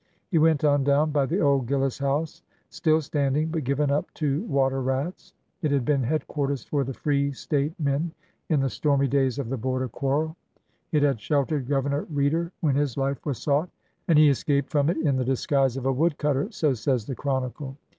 He went on down by the old Gillis house, still standing, but given yp to water rats. It had been headquarters for the free State men in the stormy days of the border quarrel. It had sheltered Governor Reeder when his life was sought, and he escaped from it in the disguise of a wood cutter, so says the chronicle.